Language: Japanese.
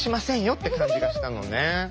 って感じがしたのね。